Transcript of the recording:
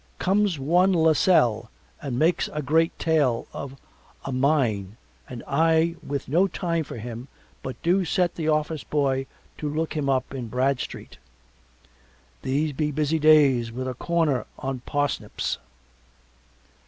Comes one Lasselle and makes a great tale of a mine and I with no time for him, but do set the office boy to look him up in Bradstreet. These be busy days with a corner on parsnips.